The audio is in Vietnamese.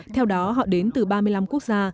theo đó họ đến từ ba mươi năm quốc gia